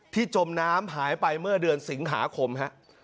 จมน้ำหายไปเมื่อเดือนสิงหาคมฮะ